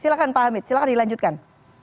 silahkan pak hamid silahkan dilanjutkan